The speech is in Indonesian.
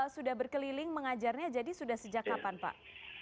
sudah berkeliling mengajarnya jadi sudah sejak kapan pak